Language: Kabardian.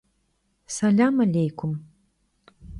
Selam alêykum.